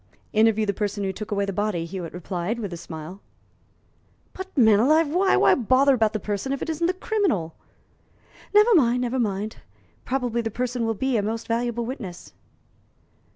"Interview the person who took away the body," Hewitt replied, with a smile. "But, man alive, why? Why bother about the person if it isn't the criminal?" "Never mind never mind; probably the person will be a most valuable witness."